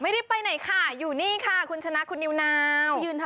ไม่ได้ไปไหนค่ะอยู่นี่ค่ะคุณชนะคุณนิวนาว